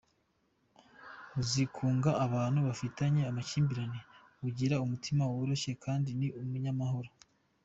Azi kunga abantu bafitanye amakimbirane, agira umutima woroshye kandi ni umunyamahoro.